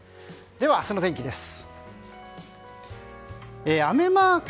では、明日の天気です。